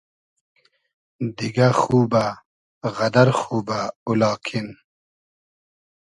دیگۂ خوبۂ غئدئر خوبۂ او لاکین